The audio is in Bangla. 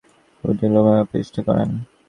তিনি ফুলপুরে রওযাতুল উলুম প্রতিষ্ঠা করেন।